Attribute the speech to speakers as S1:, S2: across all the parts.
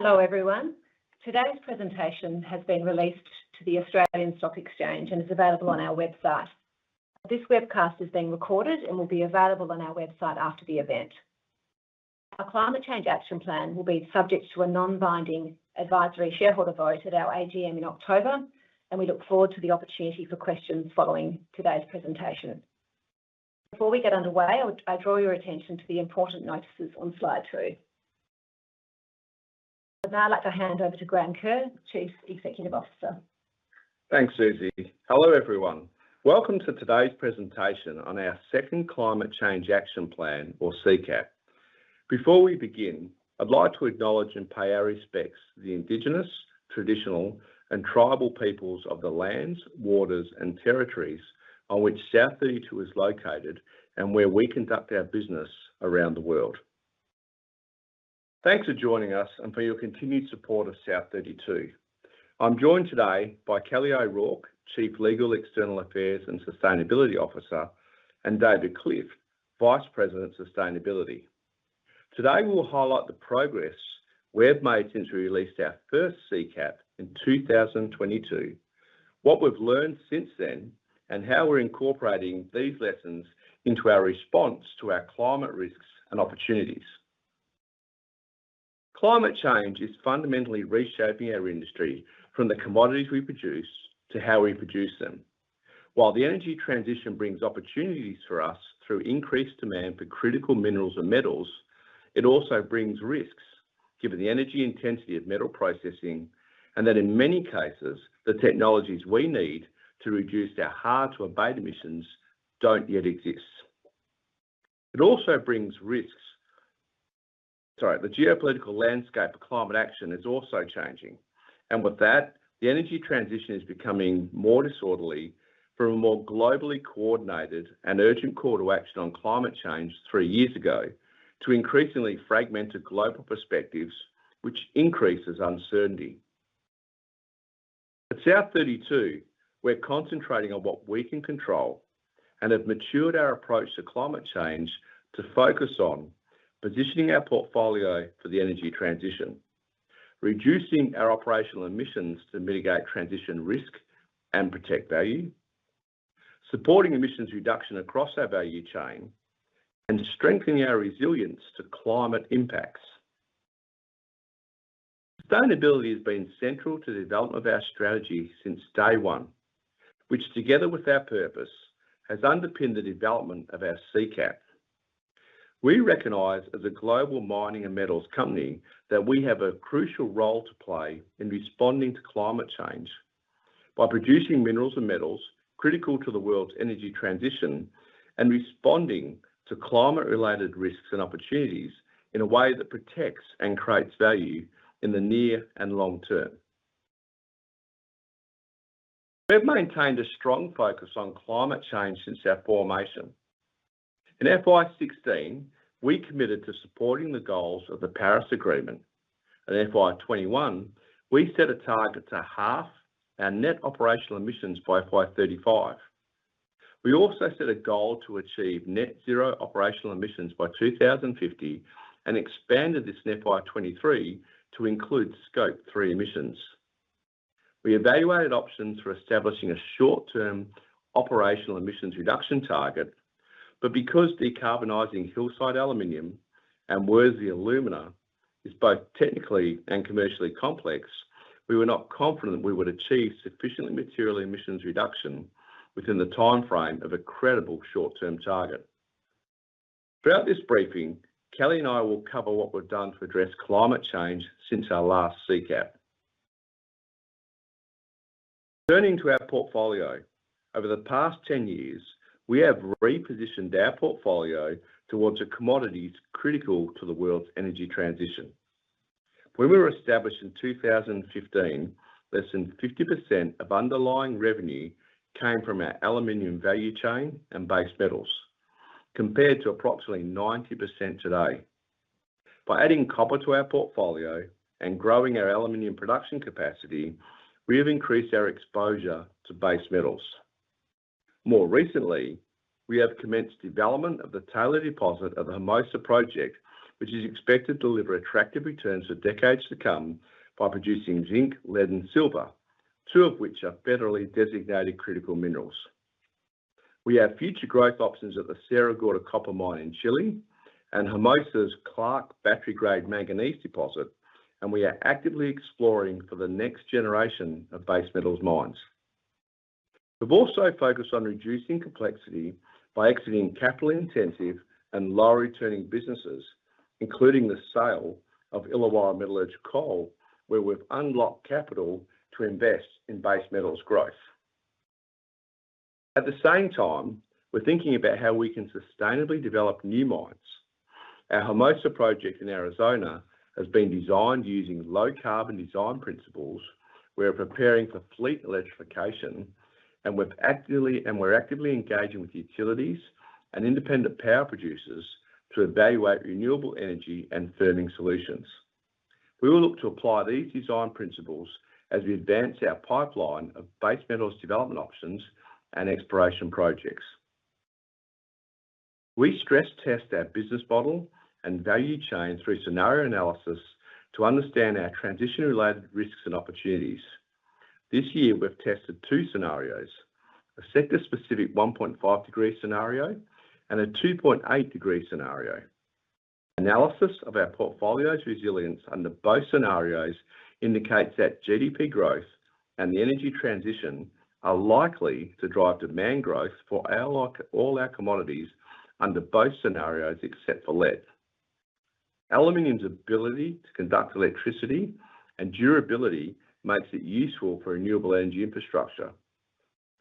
S1: Hello, everyone. Today's presentation has been released to the Australian Securities Exchange and is available on our website. This webcast is being recorded and will be available on our website after the event. Our Climate Change Action Plan will be subject to a non-binding advisory shareholder vote at our AGM in October, and we look forward to the opportunity for questions following today's presentation. Before we get underway, I draw your attention to the important notices on slide two. I'd now like to hand over to Graham Kerr, Chief Executive Officer.
S2: Thanks, Susie. Hello, everyone. Welcome to today's presentation on our Second Climate Change Action Plan, or CCAP. Before we begin, I'd like to acknowledge and pay our respects to the Indigenous, Traditional, and Tribal Peoples of the lands, waters, and territories on which South32 is located and where we conduct our business around the world. Thanks for joining us and for your continued support of South32. I'm joined today by Kelly O'Rourke, Chief Legal, External Affairs and Sustainability Officer, and David Clifft, Vice President, Sustainability. Today, we will highlight the progress we've made since we released our first CCAP in 2022, what we've learned since then, and how we're incorporating these lessons into our response to our climate risks and opportunities. Climate change is fundamentally reshaping our industry from the commodities we produce to how we produce them. While the energy transition brings opportunities for us through increased demand for critical minerals and metals, it also brings risks given the energy intensity of metal processing and that, in many cases, the technologies we need to reduce our hard-to-abate emissions don't yet exist. It also brings risks. Sorry, the geopolitical landscape of climate action is also changing, and with that, the energy transition is becoming more disorderly from a more globally coordinated and urgent call to action on climate change three years ago to increasingly fragmented global perspectives, which increases uncertainty. At South32, we're concentrating on what we can control and have matured our approach to climate change to focus on positioning our portfolio for the energy transition, reducing our operational emissions to mitigate transition risk and protect value, supporting emissions reduction across our value chain, and strengthening our resilience to climate impacts. Sustainability has been central to the development of our strategy since day one, which, together with our purpose, has underpinned the development of our CCAP. We recognize as a global mining and metals company that we have a crucial role to play in responding to climate change by producing minerals and metals critical to the world's energy transition and responding to climate-related risks and opportunities in a way that protects and creates value in the near and long term. We've maintained a strong focus on climate change since our formation. In FY16, we committed to supporting the goals of the Paris Agreement. In FY21, we set a target to halve our net operational emissions by FY35. We also set a goal to achieve net zero operational emissions by 2050 and expanded this in FY23 to include Scope 3 emissions. We evaluated options for establishing a short-term operational emissions reduction target, but because decarbonizing Hillside Aluminium and Worsley Alumina is both technically and commercially complex, we were not confident we would achieve sufficiently material emissions reduction within the timeframe of a credible short-term target. Throughout this briefing, Kelly and I will cover what we've done to address climate change since our last CCAP. Turning to our portfolio, over the past 10 years, we have repositioned our portfolio towards a commodity critical to the world's energy transition. When we were established in 2015, less than 50% of underlying revenue came from our aluminum value chain and base metals, compared to approximately 90% today. By adding copper to our portfolio and growing our aluminum production capacity, we have increased our exposure to base metals. More recently, we have commenced development of the Taylor deposit of the Hermosa project, which is expected to deliver attractive returns for decades to come by producing zinc, lead, and silver, two of which are federally designated critical minerals. We have future growth options at the Sierra Gorda Copper Mine in Chile and Hermosa's Clark battery-grade manganese deposit, and we are actively exploring for the next generation of base metals mines. We've also focused on reducing complexity by exiting capital-intensive and low-returning businesses, including the sale of Illawarra Metallurgical Coal, where we've unlocked capital to invest in base metals growth. At the same time, we're thinking about how we can sustainably develop new mines. Our Hermosa project in Arizona has been designed using low-carbon design principles. We are preparing for fleet electrification, and we're actively engaging with utilities and independent power producers to evaluate renewable energy and firming solutions. We will look to apply these design principles as we advance our pipeline of base metals development options and exploration projects. We stress test our business model and value chain through scenario analysis to understand our transition-related risks and opportunities. This year, we've tested two scenarios: a sector-specific 1.5-degree scenario and a 2.8-degree scenario. Analysis of our portfolio's resilience under both scenarios indicates that GDP growth and the energy transition are likely to drive demand growth for all our commodities under both scenarios except for lead. Aluminum's ability to conduct electricity and durability makes it useful for renewable energy infrastructure.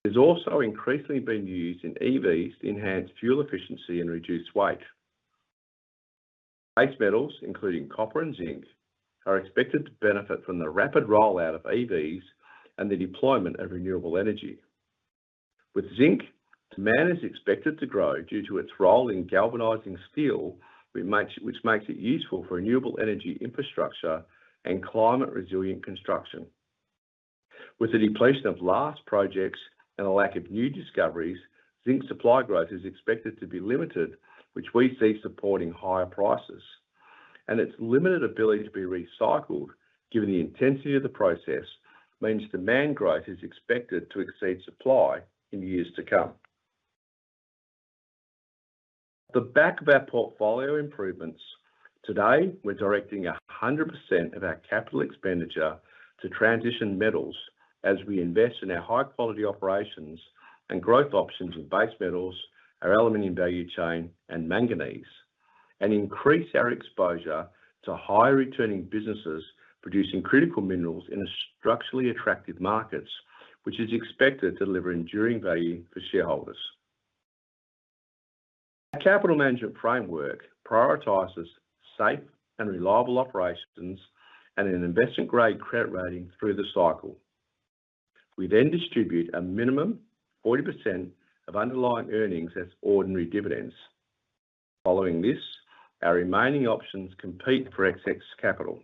S2: It's also increasingly being used in EVs to enhance fuel efficiency and reduce weight. Base metals, including copper and zinc, are expected to benefit from the rapid rollout of EVs and the deployment of renewable energy. With zinc, demand is expected to grow due to its role in galvanizing steel, which makes it useful for renewable energy infrastructure and climate-resilient construction. With the depletion of last projects and a lack of new discoveries, zinc supply growth is expected to be limited, which we see supporting higher prices. And its limited ability to be recycled, given the intensity of the process, means demand growth is expected to exceed supply in years to come. At the back of our portfolio improvements, today, we're directing 100% of our capital expenditure to transition metals as we invest in our high-quality operations and growth options in base metals, our aluminum value chain, and manganese, and increase our exposure to high-returning businesses producing critical minerals in structurally attractive markets, which is expected to deliver enduring value for shareholders. Our capital management framework prioritizes safe and reliable operations and an investment-grade credit rating through the cycle. We then distribute a minimum of 40% of underlying earnings as ordinary dividends. Following this, our remaining options compete for excess capital.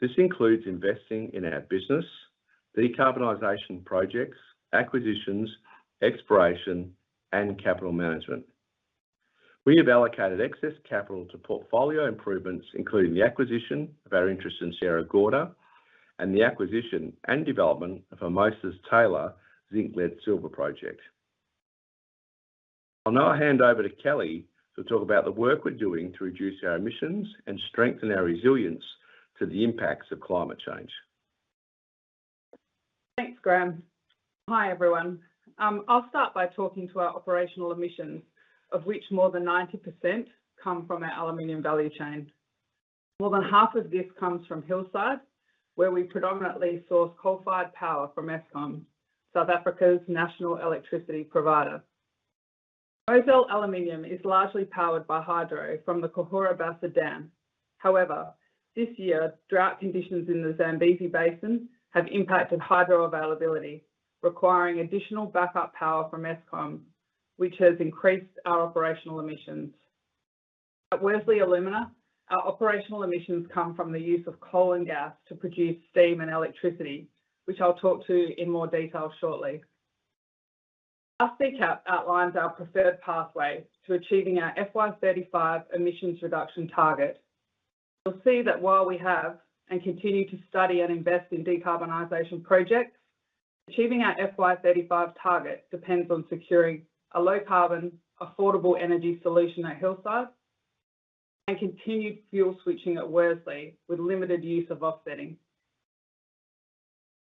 S2: This includes investing in our business, decarbonization projects, acquisitions, exploration, and capital management. We have allocated excess capital to portfolio improvements, including the acquisition of our interest in Sierra Gorda and the acquisition and development of Hermosa's Taylor Zinc-Lead-Silver project. I'll now hand over to Kelly to talk about the work we're doing to reduce our emissions and strengthen our resilience to the impacts of climate change.
S3: Thanks, Graham. Hi, everyone. I'll start by talking to our operational emissions, of which more than 90% come from our aluminium value chain. More than half of this comes from Hillside, where we predominantly source coal-fired power from Eskom, South Africa's national electricity provider. Mozal Aluminium is largely powered by hydro from the Cahora Bassa Dam. However, this year, drought conditions in the Zambezi Basin have impacted hydro availability, requiring additional backup power from Eskom, which has increased our operational emissions. At Worsley Alumina, our operational emissions come from the use of coal and gas to produce steam and electricity, which I'll talk to in more detail shortly. Our CCAP outlines our preferred pathway to achieving our FY35 emissions reduction target. You'll see that while we have and continue to study and invest in decarbonization projects, achieving our FY35 target depends on securing a low-carbon, affordable energy solution at Hillside and continued fuel switching at Worsley with limited use of offsetting.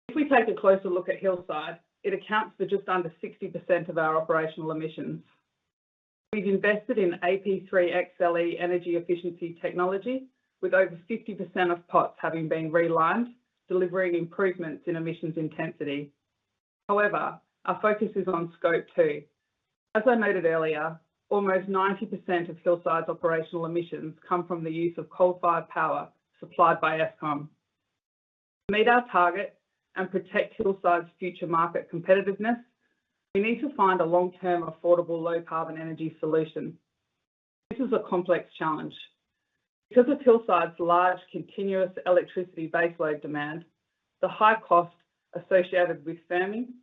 S3: If we take a closer look at Hillside, it accounts for just under 60% of our operational emissions. We've invested in AP3XLE energy efficiency technology, with over 50% of pots having been relined, delivering improvements in emissions intensity. However, our focus is on Scope 2. As I noted earlier, almost 90% of Hillside's operational emissions come from the use of coal-fired power supplied by Eskom. To meet our target and protect Hillside's future market competitiveness, we need to find a long-term, affordable, low-carbon energy solution. This is a complex challenge. Because of Hillside's large continuous electricity base load demand, the high cost associated with firming, and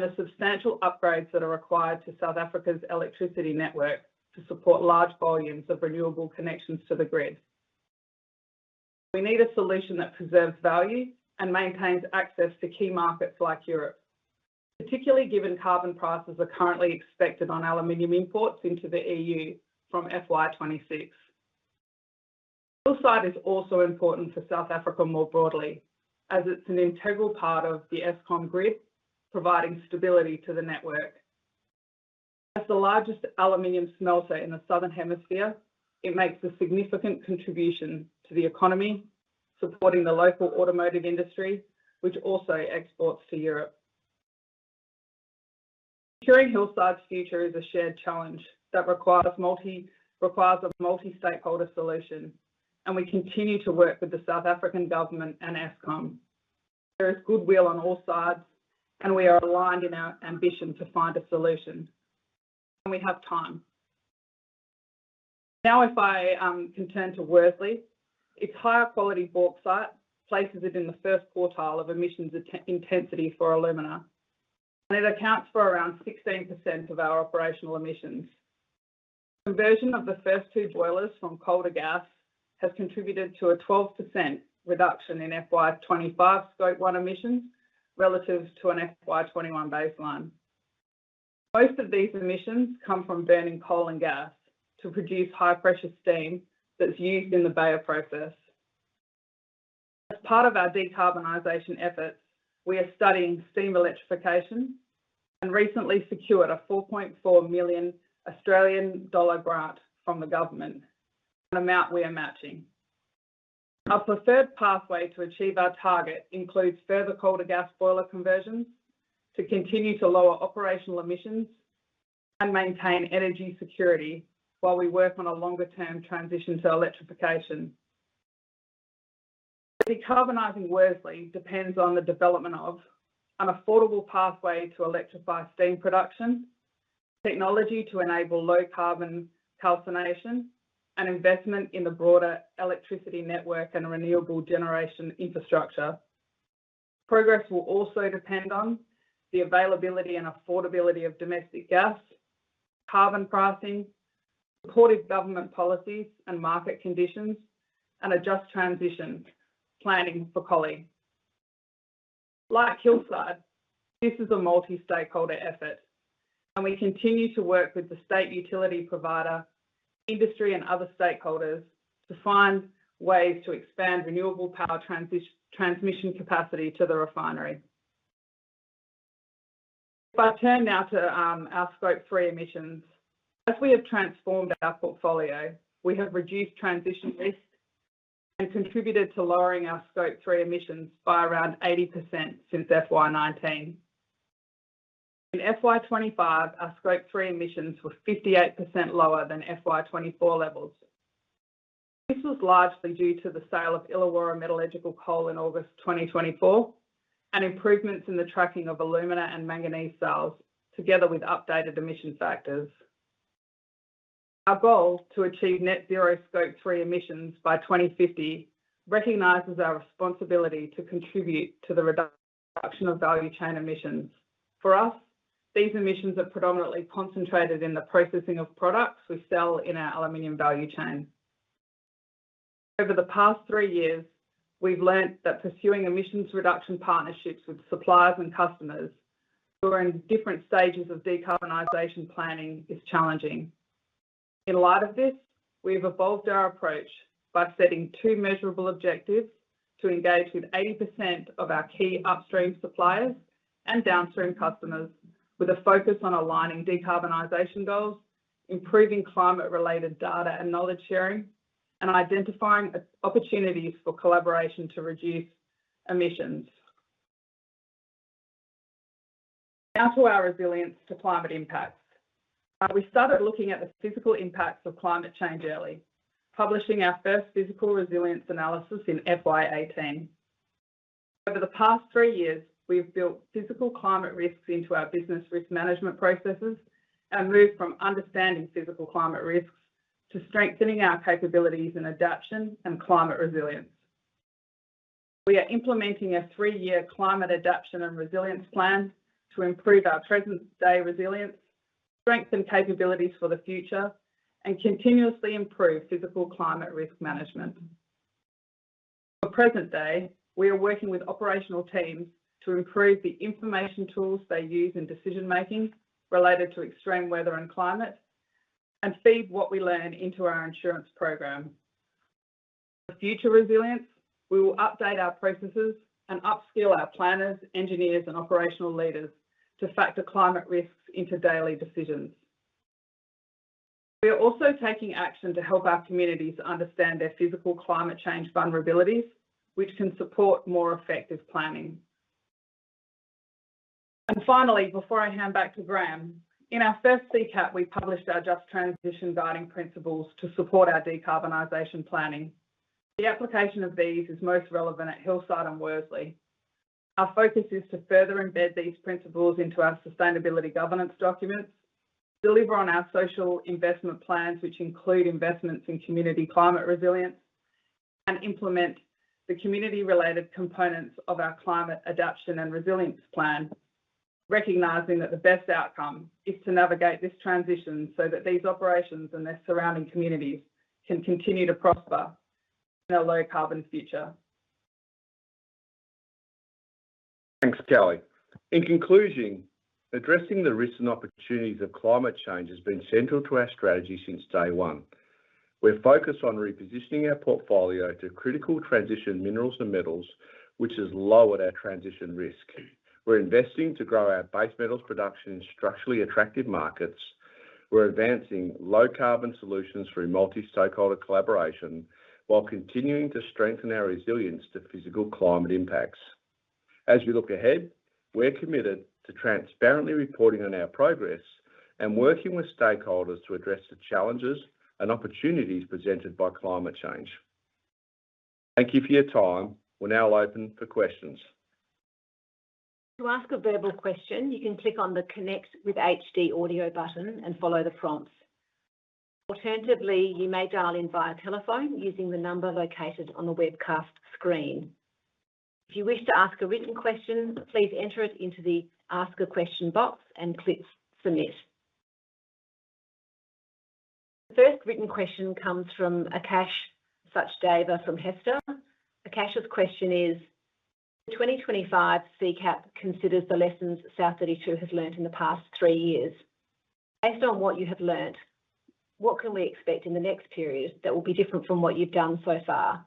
S3: the substantial upgrades that are required to South Africa's electricity network to support large volumes of renewable connections to the grid, we need a solution that preserves value and maintains access to key markets like Europe, particularly given carbon prices are currently expected on aluminium imports into the EU from FY26. Hillside is also important for South Africa more broadly, as it's an integral part of the Eskom grid, providing stability to the network. As the largest aluminium smelter in the southern hemisphere, it makes a significant contribution to the economy, supporting the local automotive industry, which also exports to Europe. Securing Hillside's future is a shared challenge that requires a multi-stakeholder solution, and we continue to work with the South African government and Eskom. There is goodwill on all sides, and we are aligned in our ambition to find a solution. We have time. Now, if I can turn to Worsley, its higher quality bauxite places it in the first quartile of emissions intensity for alumina, and it accounts for around 16% of our operational emissions. Conversion of the first two boilers from coal to gas has contributed to a 12% reduction in FY25 Scope 1 emissions relative to an FY21 baseline. Most of these emissions come from burning coal and gas to produce high-pressure steam that's used in the Bayer process. As part of our decarbonization efforts, we are studying steam electrification and recently secured a 4.4 million Australian dollar grant from the government, an amount we are matching. Our preferred pathway to achieve our target includes further coal-to-gas boiler conversions to continue to lower operational emissions and maintain energy security while we work on a longer-term transition to electrification. The decarbonizing Worsley depends on the development of an affordable pathway to electrify steam production, technology to enable low-carbon calcination, and investment in the broader electricity network and renewable generation infrastructure. Progress will also depend on the availability and affordability of domestic gas, carbon pricing, supportive government policies and market conditions, and a just transition planning for coal. Like Hillside, this is a multi-stakeholder effort, and we continue to work with the state utility provider, industry, and other stakeholders to find ways to expand renewable power transmission capacity to the refinery. If I turn now to our Scope 3 emissions, as we have transformed our portfolio, we have reduced transition risk and contributed to lowering our Scope 3 emissions by around 80% since FY19. In FY25, our Scope 3 emissions were 58% lower than FY24 levels. This was largely due to the sale of Illawarra Metallurgical Coal in August 2024 and improvements in the tracking of alumina and manganese sales, together with updated emission factors. Our goal to achieve net zero Scope 3 emissions by 2050 recognizes our responsibility to contribute to the reduction of value chain emissions. For us, these emissions are predominantly concentrated in the processing of products we sell in our aluminum value chain. Over the past three years, we've learned that pursuing emissions reduction partnerships with suppliers and customers who are in different stages of decarbonization planning is challenging. In light of this, we've evolved our approach by setting two measurable objectives to engage with 80% of our key upstream suppliers and downstream customers, with a focus on aligning decarbonization goals, improving climate-related data and knowledge sharing, and identifying opportunities for collaboration to reduce emissions. Now to our resilience to climate impacts. We started looking at the physical impacts of climate change early, publishing our first physical resilience analysis in FY18. Over the past three years, we've built physical climate risks into our business risk management processes and moved from understanding physical climate risks to strengthening our capabilities in adaptation and climate resilience. We are implementing a three-year climate adaptation and resilience plan to improve our present-day resilience, strengthen capabilities for the future, and continuously improve physical climate risk management. For present day, we are working with operational teams to improve the information tools they use in decision-making related to extreme weather and climate and feed what we learn into our insurance program. For future resilience, we will update our processes and upskill our planners, engineers, and operational leaders to factor climate risks into daily decisions. We are also taking action to help our communities understand their physical climate change vulnerabilities, which can support more effective planning. And finally, before I hand back to Graham, in our first CCAP, we published our just transition guiding principles to support our decarbonization planning. The application of these is most relevant at Hillside and Worsley. Our focus is to further embed these principles into our sustainability governance documents, deliver on our social investment plans, which include investments in community climate resilience, and implement the community-related components of our climate adaptation and resilience plan, recognizing that the best outcome is to navigate this transition so that these operations and their surrounding communities can continue to prosper in a low-carbon future.
S2: Thanks, Kelly. In conclusion, addressing the risks and opportunities of climate change has been central to our strategy since day one. We're focused on repositioning our portfolio to critical transition minerals and metals, which has lowered our transition risk. We're investing to grow our base metals production in structurally attractive markets. We're advancing low-carbon solutions through multi-stakeholder collaboration while continuing to strengthen our resilience to physical climate impacts. As we look ahead, we're committed to transparently reporting on our progress and working with stakeholders to address the challenges and opportunities presented by climate change. Thank you for your time. We're now open for questions.
S1: To ask a verbal question, you can click on the Connect with HD audio button and follow the prompts. Alternatively, you may dial in via telephone using the number located on the webcast screen. If you wish to ask a written question, please enter it into the Ask a Question box and click Submit. The first written question comes from Akash Sachdeva from HESTA. Akash's question is, "The 2025 CCAP considers the lessons South32 has learned in the past three years. Based on what you have learned, what can we expect in the next period that will be different from what you've done so far?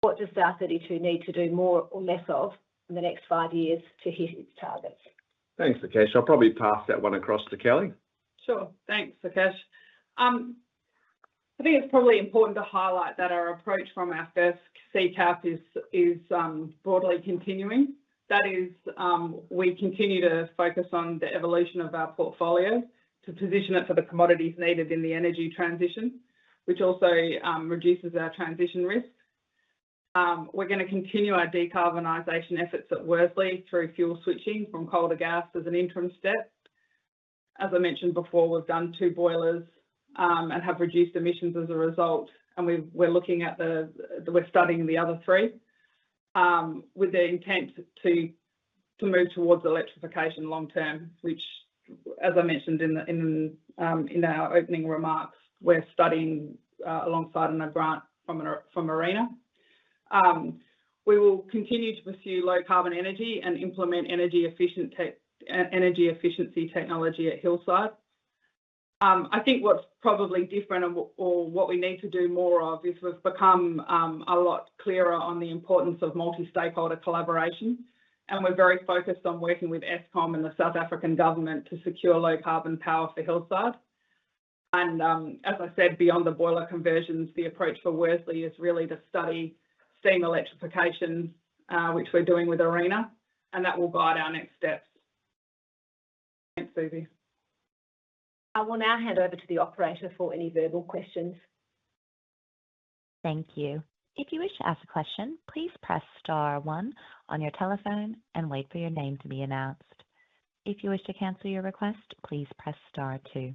S1: What does South32 need to do more or less of in the next five years to hit its targets?
S2: Thanks, Akash. I'll probably pass that one across to Kelly.
S3: Sure. Thanks, Akaash. I think it's probably important to highlight that our approach from our first CCAP is broadly continuing. That is, we continue to focus on the evolution of our portfolio to position it for the commodities needed in the energy transition, which also reduces our transition risk. We're going to continue our decarbonization efforts at Worsley through fuel switching from coal to gas as an interim step. As I mentioned before, we've done two boilers and have reduced emissions as a result, and we're studying the other three with the intent to move towards electrification long term, which, as I mentioned in our opening remarks, we're studying alongside a grant from ARENA. We will continue to pursue low-carbon energy and implement energy efficiency technology at Hillside. I think what's probably different or what we need to do more of is we've become a lot clearer on the importance of multi-stakeholder collaboration, and we're very focused on working with Eskom and the South African government to secure low-carbon power for Hillside. And as I said, beyond the boiler conversions, the approach for Worsley is really to study steam electrification, which we're doing with Arena, and that will guide our next steps. Thanks, Susie.
S1: I will now hand over to the operator for any verbal questions.
S4: Thank you. If you wish to ask a question, please press star one on your telephone and wait for your name to be announced. If you wish to cancel your request, please press star two.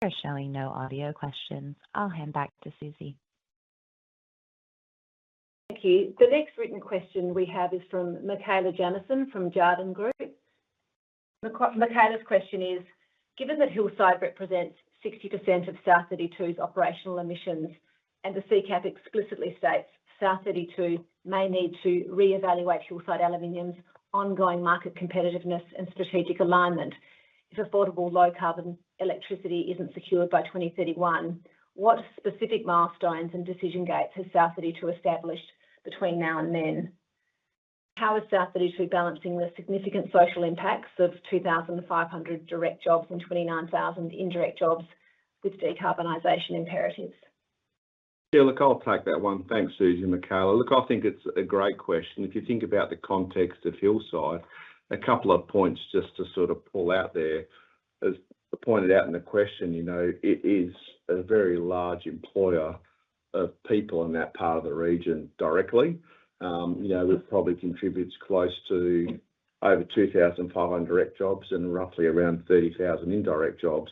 S4: We are showing no audio questions. I'll hand back to Susie.
S1: Thank you. The next written question we have is from Mikaela Jamieson from Jarden Group. Mikaela's question is, "Given that Hillside represents 60% of South32's operational emissions and the CCAP explicitly states South32 may need to re-evaluate Hillside Aluminium's ongoing market competitiveness and strategic alignment, if affordable low-carbon electricity isn't secured by 2031, what specific milestones and decision gates has South32 established between now and then? How is South32 balancing the significant social impacts of 2,500 direct jobs and 29,000 indirect jobs with decarbonization imperatives?
S2: David, I'll take that one. Thanks, Susie and Mikaela. Look, I think it's a great question. If you think about the context of Hillside, a couple of points just to sort of pull out there as pointed out in the question, it is a very large employer of people in that part of the region directly. We probably contribute close to over 2,500 direct jobs and roughly around 30,000 indirect jobs.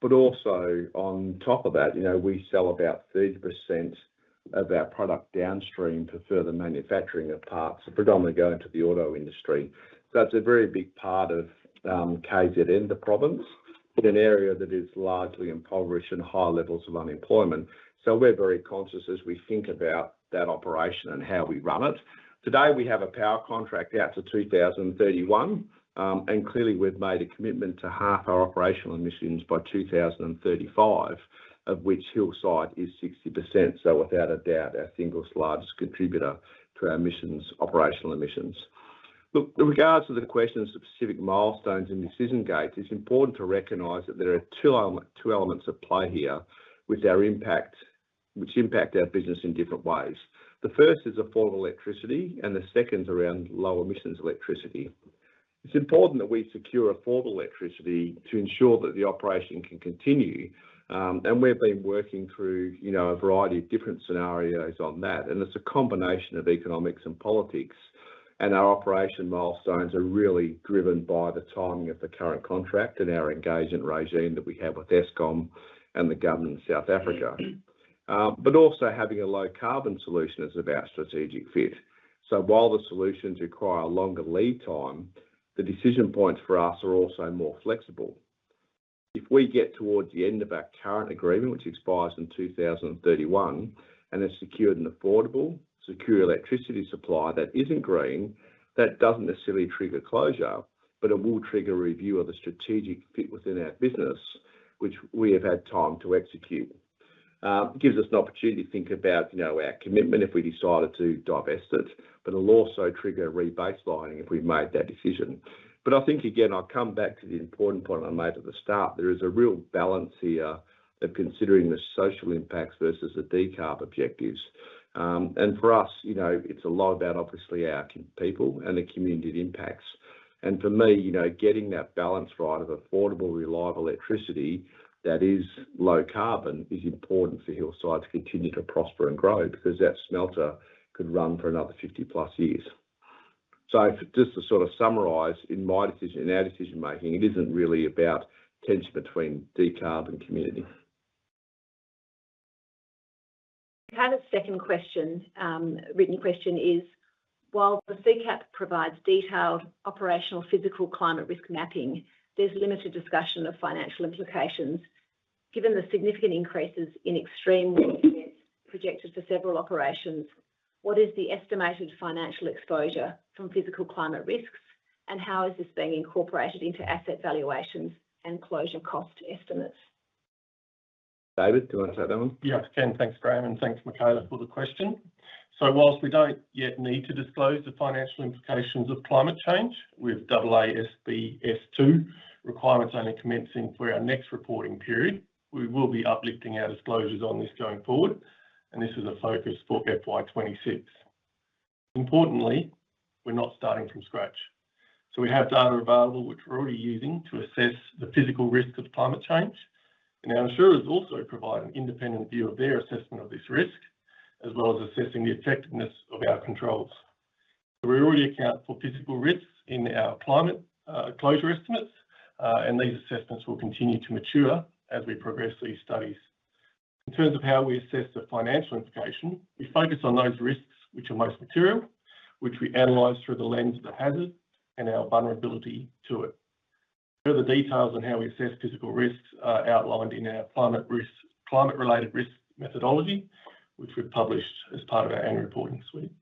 S2: But also on top of that, we sell about 30% of our product downstream for further manufacturing of parts, predominantly going to the auto industry. So that's a very big part of KZN, the province, in an area that is largely impoverished and high levels of unemployment. So we're very conscious as we think about that operation and how we run it. Today, we have a power contract out to 2031, and clearly we've made a commitment to half our operational emissions by 2035, of which Hillside is 60%, so without a doubt, our single largest contributor to our operational emissions. Look, in regard to the question of specific milestones and decision gates, it's important to recognize that there are two elements at play here with our impact, which impact our business in different ways. The first is affordable electricity, and the second's around low-emissions electricity. It's important that we secure affordable electricity to ensure that the operation can continue, and we've been working through a variety of different scenarios on that, and it's a combination of economics and politics, and our operation milestones are really driven by the timing of the current contract and our engagement regime that we have with Eskom and the government of South Africa. But also having a low-carbon solution is about strategic fit. So while the solutions require a longer lead time, the decision points for us are also more flexible. If we get towards the end of our current agreement, which expires in 2031, and it's secured and affordable, secure electricity supply that isn't green, that doesn't necessarily trigger closure, but it will trigger a review of the strategic fit within our business, which we have had time to execute. It gives us an opportunity to think about our commitment if we decided to divest it, but it'll also trigger rebaselining if we've made that decision. But I think, again, I'll come back to the important point I made at the start. There is a real balance here of considering the social impacts versus the decarb objectives. And for us, it's a lot about, obviously, our people and the community it impacts. For me, getting that balance right of affordable, reliable electricity that is low carbon is important for Hillside to continue to prosper and grow because that smelter could run for another 50 plus years. Just to sort of summarize, in our decision-making, it isn't really about tension between decarb and community.
S1: We've had a second question, written question is, "While the CCAP provides detailed operational physical climate risk mapping, there's limited discussion of financial implications. Given the significant increases in extreme weather events projected for several operations, what is the estimated financial exposure from physical climate risks, and how is this being incorporated into asset valuations and closure cost estimates?".
S2: David, do you want to take that one?
S4: Yes, yeah, thanks, Graham, and thanks, Mikaela, for the question. So while we don't yet need to disclose the financial implications of climate change with AASB S2 requirements only commencing for our next reporting period, we will be uplifting our disclosures on this going forward, and this is a focus for FY26. Importantly, we're not starting from scratch. So we have data available, which we're already using to assess the physical risk of climate change, and our insurers also provide an independent view of their assessment of this risk, as well as assessing the effectiveness of our controls. So we already account for physical risks in our climate exposure estimates, and these assessments will continue to mature as we progress these studies. In terms of how we assess the financial implication, we focus on those risks which are most material, which we analyze through the lens of the hazard and our vulnerability to it. Further details on how we assess physical risks are outlined in our climate-related risk methodology, which we've published as part of our annual reporting suite.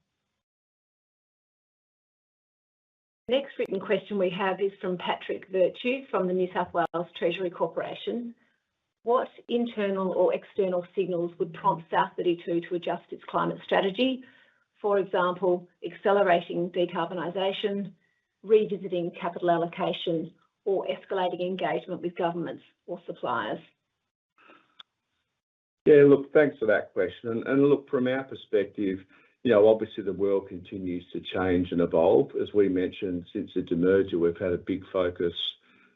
S1: The next written question we have is from Patrick Virtue from the New South Wales Treasury Corporation. "What internal or external signals would prompt South32 to adjust its climate strategy, for example, accelerating decarbonization, revisiting capital allocation, or escalating engagement with governments or suppliers?
S2: Yeah, look, thanks for that question. And look, from our perspective, obviously the world continues to change and evolve. As we mentioned, since the demerger, we've had a big focus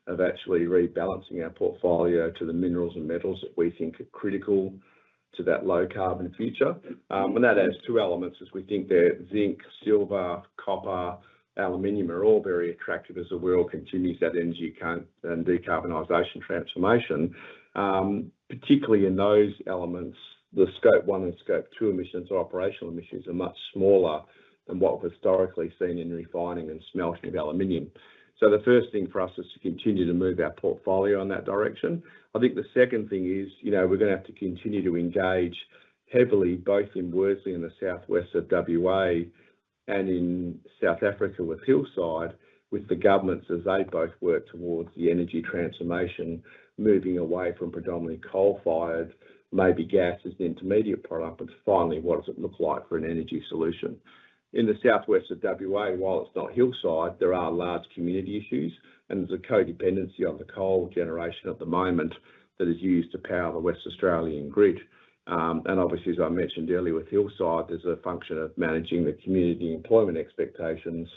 S2: of actually rebalancing our portfolio to the minerals and metals that we think are critical to that low carbon future. And that adds two elements, as we think that zinc, silver, copper, aluminium are all very attractive as the world continues that energy and decarbonisation transformation. Particularly in those elements, the Scope 1 and Scope 2 emissions, operational emissions are much smaller than what we've historically seen in refining and smelting of aluminium. So the first thing for us is to continue to move our portfolio in that direction. I think the second thing is we're going to have to continue to engage heavily both in Worsley and the southwest of WA and in South Africa with Hillside, with the governments as they both work towards the energy transformation, moving away from predominantly coal-fired, maybe gas as the intermediate product, but finally, what does it look like for an energy solution. In the southwest of WA, while it's not Hillside, there are large community issues, and there's a co-dependency on the coal generation at the moment that is used to power the West Australian grid. And obviously, as I mentioned earlier, with Hillside, there's a function of managing the community employment expectations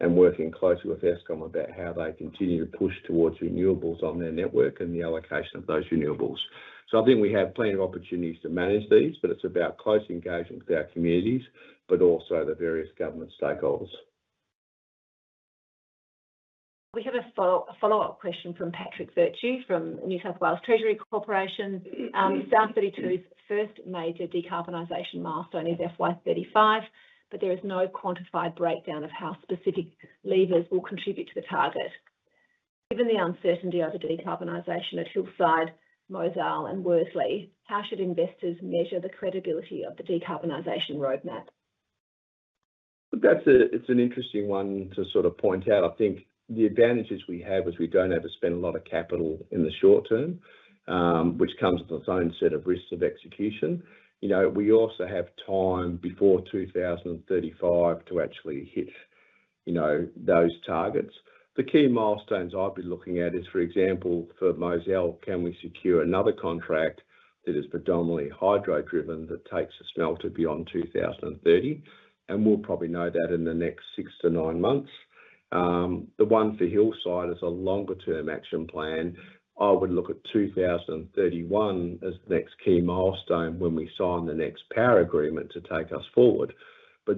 S2: and working closely with Eskom about how they continue to push towards renewables on their network and the allocation of those renewables. So I think we have plenty of opportunities to manage these, but it's about closely engaging with our communities, but also the various government stakeholders.
S1: We have a follow-up question from Patrick Virtue from New South Wales Treasury Corporation. South32's first major decarbonization milestone is FY35, but there is no quantified breakdown of how specific levers will contribute to the target. Given the uncertainty over decarbonization at Hillside, Mozal and Worsley, how should investors measure the credibility of the decarbonization roadmap?
S2: It's an interesting one to sort of point out. I think the advantages we have is we don't have to spend a lot of capital in the short term, which comes with its own set of risks of execution. We also have time before 2035 to actually hit those targets. The key milestones I've been looking at is, for example, for Mozal, can we secure another contract that is predominantly hydro-driven that takes a smelter beyond 2030, and we'll probably know that in the next six to nine months. The one for Hillside is a longer-term action plan. I would look at 2031 as the next key milestone when we sign the next power agreement to take us forward.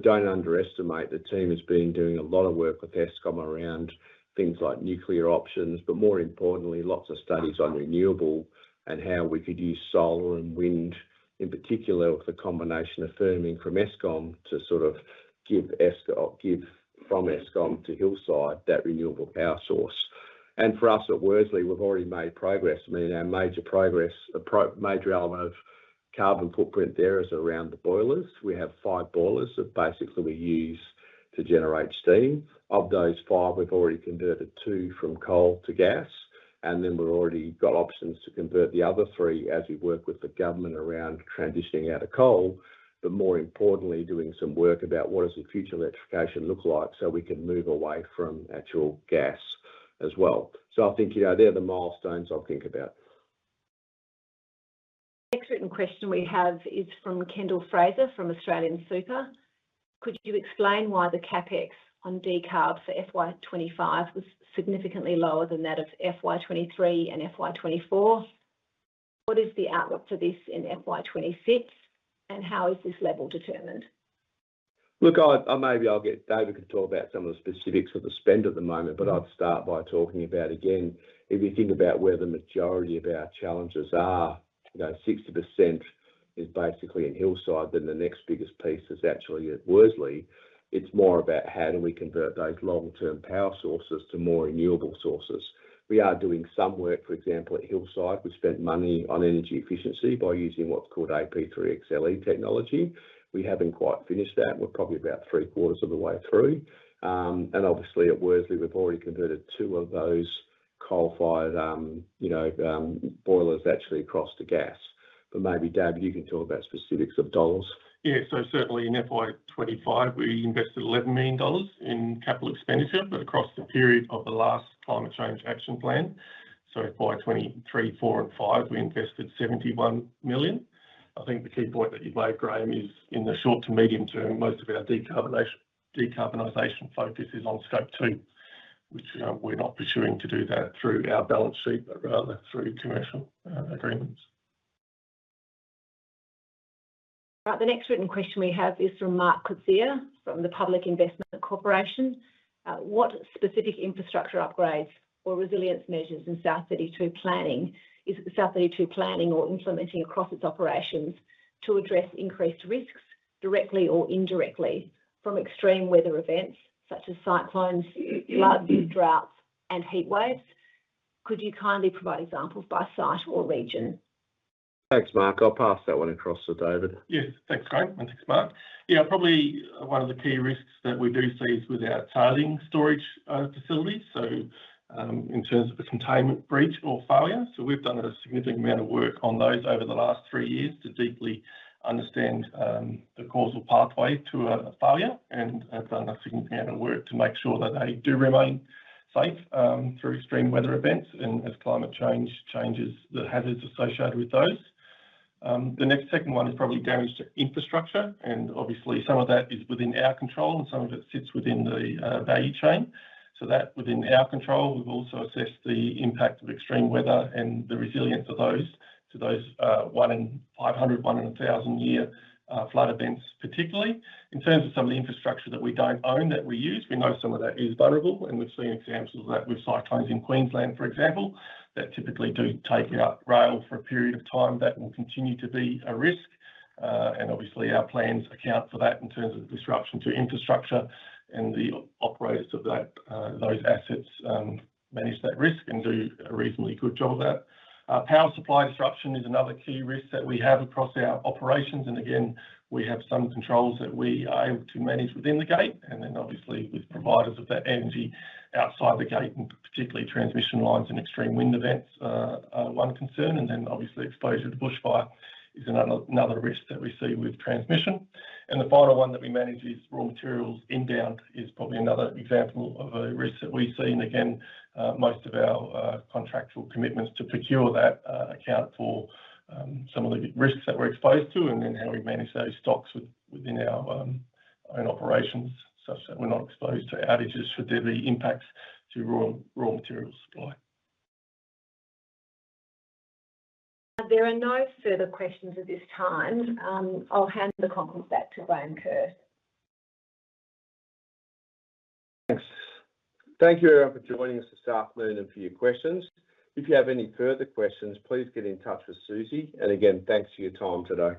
S2: Don't underestimate the team has been doing a lot of work with Eskom around things like nuclear options, but more importantly, lots of studies on renewable and how we could use solar and wind, in particular with the combination of firming from Eskom to sort of give from Eskom to Hillside that renewable power source. For us at Worsley, we've already made progress. I mean, our major element of carbon footprint there is around the boilers. We have five boilers that basically we use to generate steam. Of those five, we've already converted two from coal to gas, and then we've already got options to convert the other three as we work with the government around transitioning out of coal, but more importantly, doing some work about what does the future electrification look like so we can move away from actual gas as well. So I think they're the milestones I think about.
S1: The next written question we have is from Kendall Fraser from AustralianSuper. "Could you explain why the CapEx on decarb for FY25 was significantly lower than that of FY23 and FY24? What is the outlook for this in FY26, and how is this level determined?
S2: Look, maybe David could talk about some of the specifics of the spend at the moment, but I'd start by talking about, again, if you think about where the majority of our challenges are, 60% is basically in Hillside, then the next biggest piece is actually at Worsley. It's more about how do we convert those long-term power sources to more renewable sources. We are doing some work, for example, at Hillside. We spent money on energy efficiency by using what's called AP3XLE technology. We haven't quite finished that. We're probably about three-quarters of the way through. And obviously, at Worsley, we've already converted two of those coal-fired boilers actually across to gas. But maybe, David, you can talk about specifics of dollars.
S4: Yeah, so certainly in FY25, we invested $11 million in capital expenditure across the period of the last climate change action plan. So FY23, FY24, and FY25, we invested $71 million. I think the key point that you've made, Graham, is in the short to medium term, most of our decarbonization focus is on scope two, which we're not pursuing to do that through our balance sheet, but rather through commercial agreements.
S1: The next written question we have is from Marc Coetzee from the Public Investment Corporation. "What specific infrastructure upgrades or resilience measures is South32 planning or implementing across its operations to address increased risks directly or indirectly from extreme weather events such as cyclones, floods, droughts, and heat waves? Could you kindly provide examples by site or region?
S2: Thanks, Mark. I'll pass that one across to David.
S4: Yes, thanks, Graham, and thanks, Marc. Yeah, probably one of the key risks that we do see is with our tailings storage facilities, so in terms of the containment breach or failure. So we've done a significant amount of work on those over the last three years to deeply understand the causal pathway to a failure and have done a significant amount of work to make sure that they do remain safe through extreme weather events and as climate change changes the hazards associated with those. The next second one is probably damage to infrastructure, and obviously, some of that is within our control and some of it sits within the value chain. So that's within our control. We've also assessed the impact of extreme weather and the resilience of those to those 500-year, one in 1,000-year flood events, particularly. In terms of some of the infrastructure that we don't own that we use, we know some of that is vulnerable, and we've seen examples of that with cyclones in Queensland, for example, that typically do take out rail for a period of time that will continue to be a risk, and obviously, our plans account for that in terms of disruption to infrastructure, and the operators of those assets manage that risk and do a reasonably good job of that. Power supply disruption is another key risk that we have across our operations, and again, we have some controls that we are able to manage within the gate, and then obviously, with providers of that energy outside the gate, and particularly transmission lines and extreme wind events are one concern, and then obviously, exposure to bushfire is another risk that we see with transmission. The final one that we manage is raw materials inbound is probably another example of a risk that we see. Again, most of our contractual commitments to procure that account for some of the risks that we're exposed to, and then how we manage those stocks within our own operations such that we're not exposed to outages for deadly impacts to raw material supply.
S1: There are no further questions at this time. I'll hand the conference back to Graham Kerr.
S2: Thanks. Thank you everyone for joining us this afternoon and for your questions. If you have any further questions, please get in touch with Susie, and again, thanks for your time today.